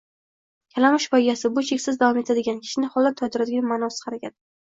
Kalamush poygasi bu cheksiz davom etadigan, kishini holdan toydiradigan ma’nosiz harakat